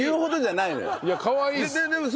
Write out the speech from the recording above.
いやかわいいです。